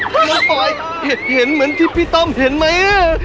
น้องปลอยเห็นเหมือนที่พี่ต้มเห็นมั้ย